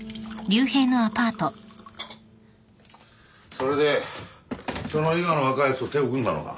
それでその伊賀の若いやつと手を組んだのか？